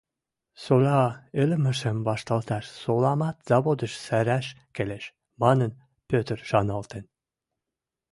Сола ӹлӹмӓшӹм вашталташ, соламат заводыш сӓрӓш келеш», — манын, Петр шаналтен.